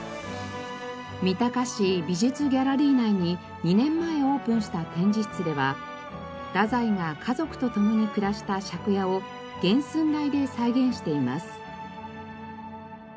三鷹市美術ギャラリー内に２年前オープンした展示室では太宰が家族とともに暮らした借家を原寸大で再現しています。